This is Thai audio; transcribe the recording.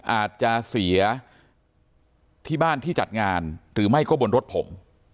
อาจจะเสียที่บ้านที่จัดงานหรือไม่ก็บนรถผม